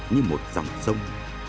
như một dòng sông